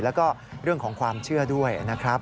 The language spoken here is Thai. แล้วก็เรื่องของความเชื่อด้วยนะครับ